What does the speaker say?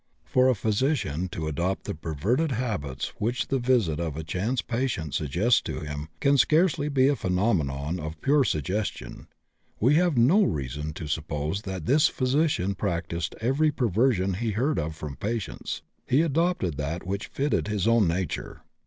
For a physician to adopt the perverted habits which the visit of a chance patient suggests to him can scarcely be a phenomenon of pure suggestion. We have no reason to suppose that this physician practised every perversion he heard of from patients; he adopted that which fitted his own nature.